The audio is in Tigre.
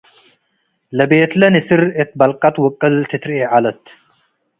ለቤት ለንስር እት በልቀት ውቅል ትትርኤ ዐለት።